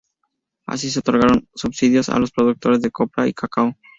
Así se otorgaron subsidios a los productores de copra y cacao.